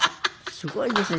すごいですね。